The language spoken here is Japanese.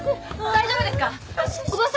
大丈夫ですか！？